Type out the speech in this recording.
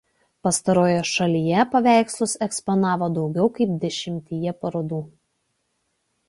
Pastarojoje šalyje paveikslus eksponavo daugiau kaip dešimtyje parodų.